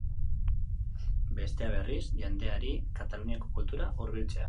Bestea berriz, jendeari kataluniako kultura hurbiltzea.